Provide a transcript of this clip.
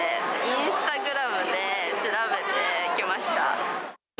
インスタグラムで調べて来ました。